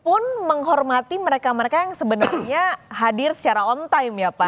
untuk menghormati mereka mereka yang sebenarnya hadir secara on time ya pak